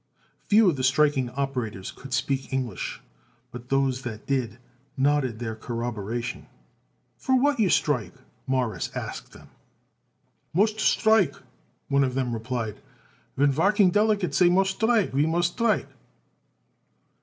Few of the striking operators could speak English, but those that did nodded their corroboration. "For what you strike?" Morris asked them. "Moost strike," one of them replied. "Ven varking delegate say moost strike, ve moost strike."